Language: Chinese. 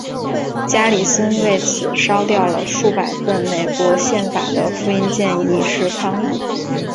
加里森为此烧掉了数百份美国宪法的复印件以示抗议。